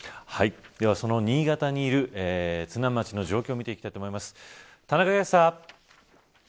では、新潟にいる津南町の状況を見ていきたいと思います。